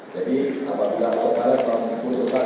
jadi apabila autopilot selalu menggunakan tenaga mesin tertentu